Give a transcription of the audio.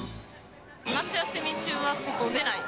夏休み中は外に出ない。